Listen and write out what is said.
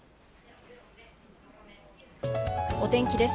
お天気です。